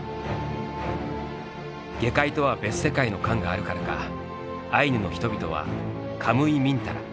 下界とは別世界の感があるからかアイヌの人々は「カムイミンタラ」